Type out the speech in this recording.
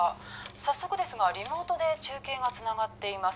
早速ですがリモートで中継がつながっています